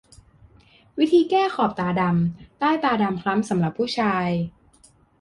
วิธีแก้ขอบตาดำ ใต้ตาคล้ำสำหรับผู้ชาย